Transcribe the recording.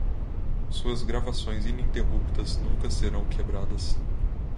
Suas gravações ininterruptas nunca serão quebradas.